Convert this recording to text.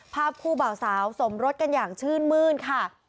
ภาพคู่บ่าวสาวสมรสกันอย่างชื่นมื้นค่ะ